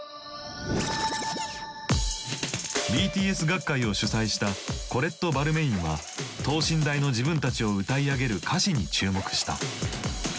ＢＴＳ学会を主催したコレット・バルメインは等身大の自分たちを歌い上げる歌詞に注目した。